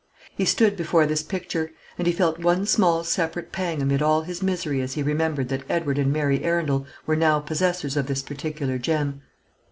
He stood before this picture, and he felt one small separate pang amid all his misery as he remembered that Edward and Mary Arundel were now possessors of this particular gem.